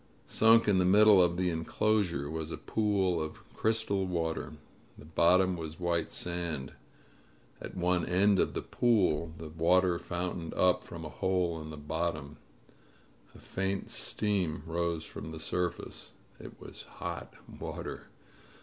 Sunk in the middle of the enclosure was a pool of crystal water. The bottom was white sand. At one end of the pool the water f ountained up from a hole in the bottom. A faint steam rose from the surface. It was hot water.